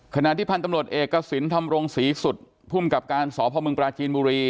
ขณะที่พันธุ์ตำรวจเอกสินทำโรงสีสุดภูมิกับการสอบภาคเมืองปลาจีนบุรี